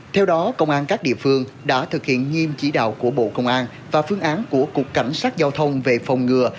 theo đó công an các địa phương đã thực hiện nghiêm chỉ đạo của bộ công an và phương án của cục cảnh sát giao thông về phòng ngừa